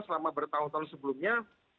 selama bertahun tahun sebelumnya